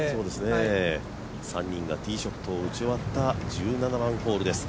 ３人がティーショットを打ち終わった１７番ホールです。